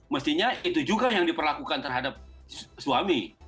mestinya itu juga yang diperlakukan terhadap suami